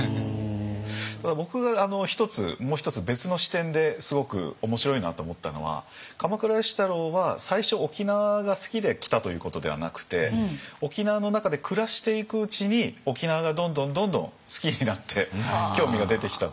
ただ僕がもう一つ別の視点ですごく面白いなと思ったのは鎌倉芳太郎は最初沖縄が好きで来たということではなくて沖縄の中で暮らしていくうちに沖縄がどんどんどんどん好きになって興味が出てきたという。